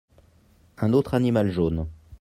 Un autre animal jaune.